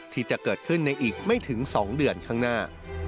ที่จะเกิดขึ้นในอีกไม่ถึง๒เดือนข้างหน้า